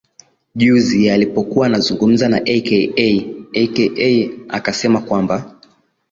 juzi ya alipokuwa anazungumza na aka aka akasema kwamba